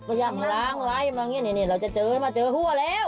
ย่างล้างไร้มาอย่างนี้เราจะเจอมาเจอหัวแล้ว